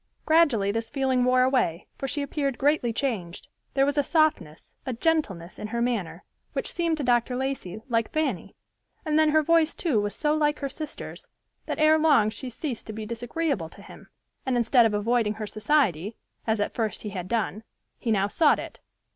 Gradually this feeling wore away, for she appeared greatly changed. There was a softness, a gentleness, in her manner, which seemed to Dr. Lacey like Fanny, and then her voice, too, was so like her sister's that ere long she ceased to be disagreeable to him, and instead of avoiding her society, as at first he had done, he now sought it.